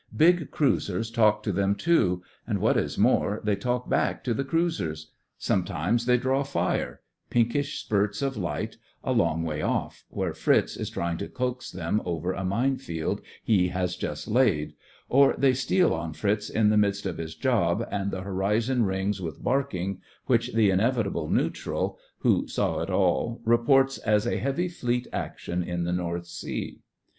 Big cruisers talk to them, too; and, what is more, they talk back to the cruisers. Some times they draw fire — pinkish spurts of light — a long way off, where Fritz is trying to coax them over a mine field he has just laid; or they steal on Fritz in the midst of his job, and the horizon rings with barking, which the inevitable neutral who saw it all reports as "a heavy fleet action in the North Sea."